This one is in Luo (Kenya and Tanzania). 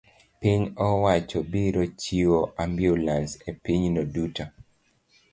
piny owacho biro chiwo ambulans e pinyno duto.